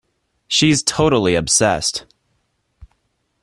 She's totally obsessed.